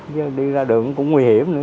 chứ đi ra đường cũng nguy hiểm nữa